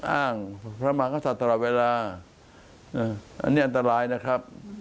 อ้างพระมากษัตริย์ตลอดเวลาอันนี้อันตรายนะครับ